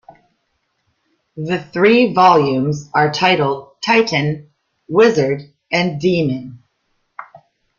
The three volumes are titled "Titan", "Wizard", and "Demon".